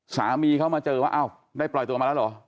สามีเขามาเจอว่าอ้าวได้ปล่อยตัวมาแล้วเหรอ